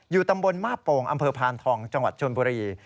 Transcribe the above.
ตำบลมาบโป่งอำเภอพานทองจังหวัดชนบุรี